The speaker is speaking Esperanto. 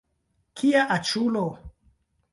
Kia aĉulo!